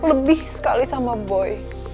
lebih sekali sama boy